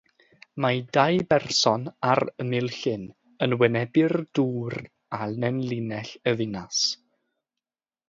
Mae dau berson ar ymyl llyn, yn wynebu'r dŵr a nenlinell y ddinas.